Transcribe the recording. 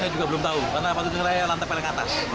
saya juga belum tau karena lantai tiga lantai paling atas